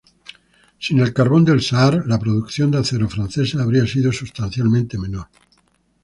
Sin el carbón del Saar, la producción de acero francesa habría sido sustancialmente menor.